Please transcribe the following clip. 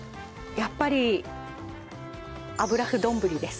やっぱり油麩丼です。